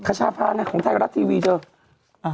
คชาภานะของไทยก็รับทีวีเจ้า